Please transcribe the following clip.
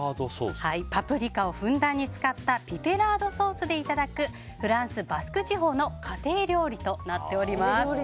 パプリカをふんだんに使ったピペラードソースでいただくフランス・バスク地方の家庭料理となっています。